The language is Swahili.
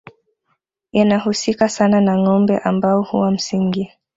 yanahusika sana na ngombe ambao huwa msingi